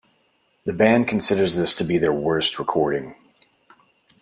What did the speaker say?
The band considers this to be their worst recording.